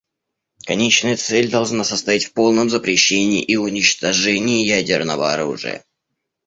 Конечная цель должна состоять в полном запрещении и уничтожении ядерного оружия.